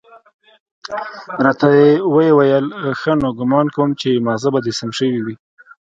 راته ويې ويل ښه نو ګومان کوم چې ماغزه به دې سم شوي وي.